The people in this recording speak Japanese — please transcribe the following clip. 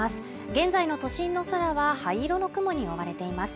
現在の都心の空は灰色の雲に覆われています